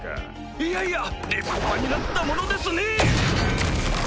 いやいや立派になったものですねぇ！